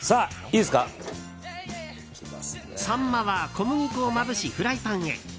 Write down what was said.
サンマは小麦粉をまぶしフライパンへ。